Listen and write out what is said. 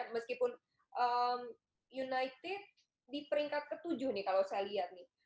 meskipun united di peringkat ke tujuh nih kalau saya lihat nih